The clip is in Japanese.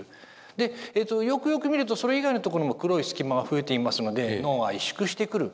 でよくよく見るとそれ以外のところも黒い隙間は増えていますので脳は萎縮してくる。